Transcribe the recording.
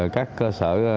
các cơ sở